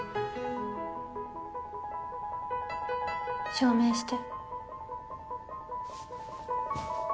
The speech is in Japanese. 証明して。